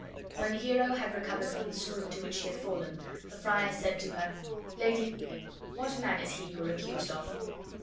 When Hero had recovered from the swoon into which she had fallen, the friar said to her, "Lady, what man is he you are accused of?"